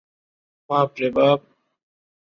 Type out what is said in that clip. বাপরে বাপ!